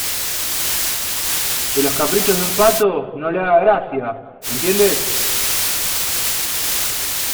de los caprichos de un pato no le haga gracia. ¿ lo entiendes?